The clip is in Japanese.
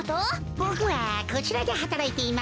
ボクはこちらではたらいています。